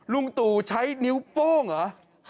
ลุงตู่ใช้นิ้วโป้งเหรอ